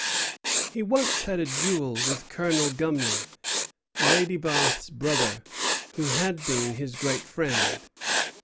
"He once had a duel with Colonel Gumley, Lady Bath's brother, who had been his great friend.